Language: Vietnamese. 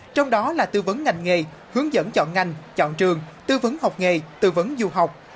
trong đó là tư vấn ngành nghề hướng dẫn chọn ngành chọn trường tư vấn học nghề tư vấn du học